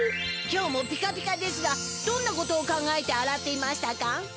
今日もピカピカですがどんなことを考えてあらっていましたか？